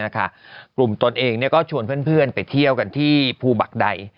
กลุ่มตนเองก็ชวนเพื่อนไปเที่ยวกันที่ภูบักใด